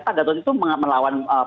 pak gatot itu melawan